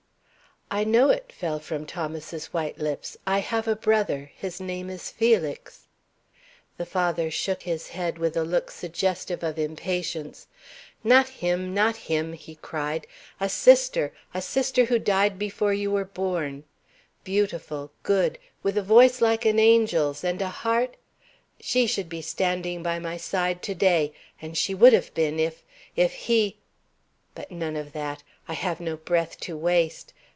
"I know it," fell from Thomas's white lips. "I have a brother; his name is Felix." The father shook his head with a look suggestive of impatience. "Not him! Not him!" he cried. "A sister! a sister, who died before you were born beautiful, good, with a voice like an angel's and a heart she should be standing by my side to day, and she would have been if if he but none of that. I have no breath to waste.